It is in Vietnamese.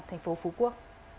thành phố phú quốc